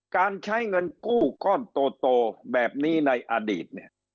การใช้เงินกู้ก้อนโตแบบนี้ในอดีตเนี่ย